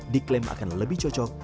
diklaim akan lebih cocok